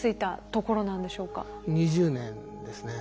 ２０年ですね。